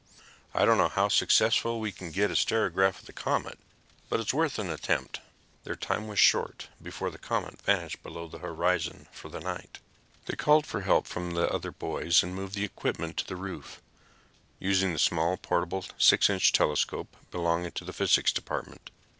"I don't know how successfully we can get a spectrograph of the comet, but it's worth an attempt." Their time was short, before the comet vanished below the horizon for the night. They called for help from the other boys and moved the equipment to the roof, using the small, portable 6 inch telescope belonging to the physics department.